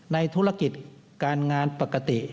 ในธุรกิจการงานปกติ